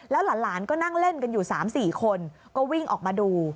หลานก็นั่งเล่นกันอยู่๓๔คนก็วิ่งออกมาดู